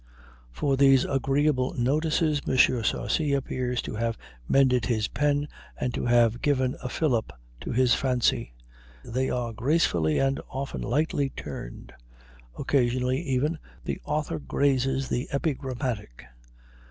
For these agreeable "notices" M. Sarcey appears to have mended his pen and to have given a fillip to his fancy. They are gracefully and often lightly turned; occasionally, even, the author grazes the epigrammatic.